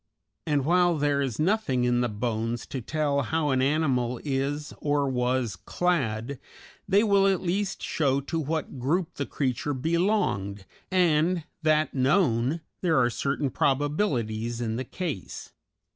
And while there is nothing in the bones to tell how an animal is, or was, clad, they will at least show to what group the creature belonged, and, that known, there are certain probabilities in the case.